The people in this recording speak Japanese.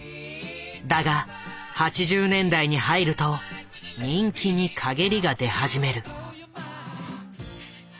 だが８０年代に入ると人気にかげりが出始める。